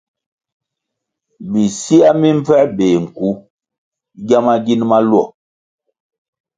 Bisiah mi mbvęr béh nku giama gin maluo.